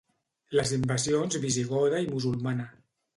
Les invasions visigoda i musulmana.